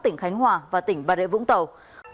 tỉnh khánh hòa và tỉnh bà rệ vũng tàu